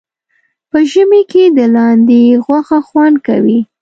په ژمي کې د لاندي غوښه خوند کوي